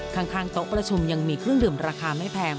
ข้างโต๊ะประชุมยังมีเครื่องดื่มราคาไม่แพง